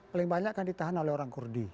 paling banyak kan ditahan oleh orang kurdi